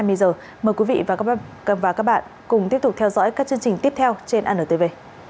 mời quý vị và các bạn cùng tiếp tục theo dõi các chương trình tiếp theo trên antv